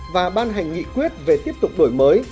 và ban hành nghị quyết về tiếp tục đổi mới